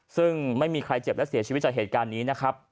ซึ่งไม่มีใครเจ็บและเสียชีวิตจากเหตุการณ์นี้นะครับ